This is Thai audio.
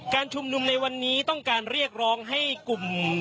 ชุมนุมในวันนี้ต้องการเรียกร้องให้กลุ่ม